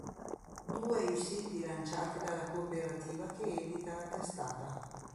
Due i siti lanciati dalla cooperativa che edita la testata.